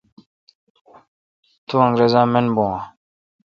تو انگرزا من بھو اؘ?۔